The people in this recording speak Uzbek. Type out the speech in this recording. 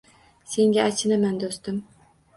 Senga achinaman, do`stim